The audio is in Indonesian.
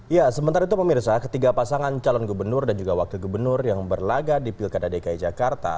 ya sementara itu pemirsa ketiga pasangan calon gubernur dan juga wakil gubernur yang berlaga di pilkada dki jakarta